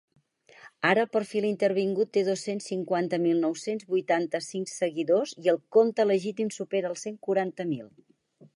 Ara el perfil intervingut té dos-cents cinquanta mil nou-cents vuitanta-cinc seguidors i el compte legítim supera els cent quaranta mil.